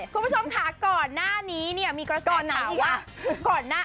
คุณผู้ชมค่ะก่อนหน้านี้เนี่ยมีกระแสไหนอีกอ่ะ